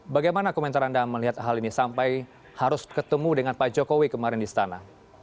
bagaimana komentar anda melihat hal ini sampai harus ketemu dengan pak jokowi kemarin di istana